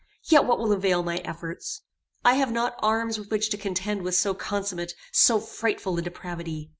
Yet what will avail my efforts? I have not arms with which to contend with so consummate, so frightful a depravity.